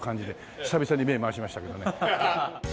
久々に目回しましたけどね。